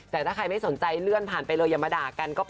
แต่ถ้าใครไม่สนใจเลื่อนผ่านไปเลยอย่ามาด่ากันก็พอ